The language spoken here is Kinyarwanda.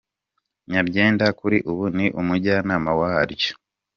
Nyabyenda kuri ubu ni Umujyanama waryo.